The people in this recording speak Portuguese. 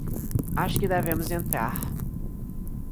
Acho que devemos entrar.